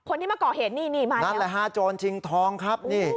คนที่มาก่อเหตุนี่นี่มานั่นแหละฮะโจรชิงทองครับนี่